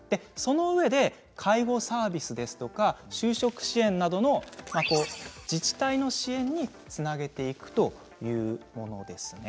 そのうえで介護サービスですとか就職支援などの自治体の支援につなげていくものです。